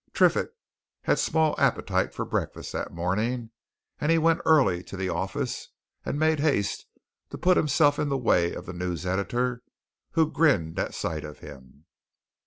Triffitt had small appetite for breakfast that morning, and he went early to the office and made haste to put himself in the way of the news editor, who grinned at sight of him.